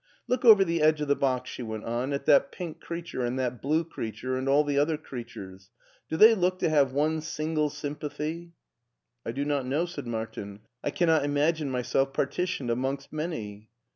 Look over the edge of the box," she went on, " at that pink creature and that blue creature and all the other creatures. Do they look to have one single s)rm pathy?" " I do not know," said Martin ;" I cannot imagine myself partitioned amongst many."